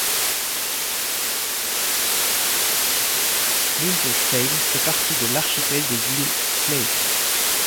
L'île de Seil fait partie de l'archipel des îles Slate.